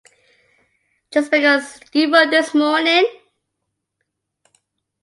Just because you wrote this morning?